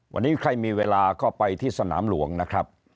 วันนี้ใครมีเวลาก็ไปที่สนามหลวงนะครับ